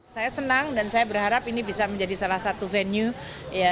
saya senang dan saya berharap ini bisa menjadi salah satu venue